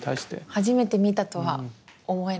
初めて見たとは思えない。